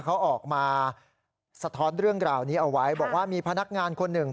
เขาออกมาสะท้อนเรื่องราวนี้เอาไว้บอกว่ามีพนักงานคนหนึ่ง